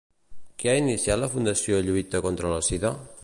Què ha iniciat la Fundació Lluita contra la Sida?